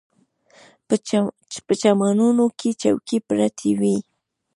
په چمنونو کې چوکۍ پرتې وې.